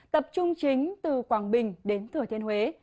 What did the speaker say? tập trung chính từ quảng bình đến thừa thiên huế